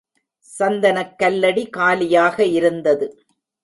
சந்தனக் கல்லடி காலியாக இருந்தது.